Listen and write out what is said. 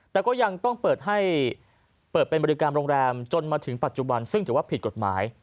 แต่ก็ยังต้องเปิดให้เปิดเป็นบริการโรงแรมจนมาถึงปัจจุบันซึ่งถือว่าผิดกฎหมาย